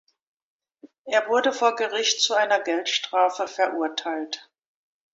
Er wurde vor Gericht zu einer Geldstrafe verurteilt.